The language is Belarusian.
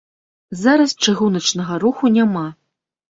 Зараз чыгуначнага руху няма.